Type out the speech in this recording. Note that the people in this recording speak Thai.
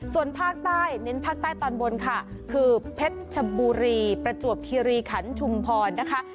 ส่วนภาคใต้เน้นภาคใต้ตอนบนค่ะคือเพชรชบุรีประจวบคิริขันชุมพรนะคะ